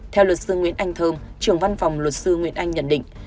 theo luật sư nguyễn anh thơm trưởng văn phòng luật sư nguyễn anh nhận định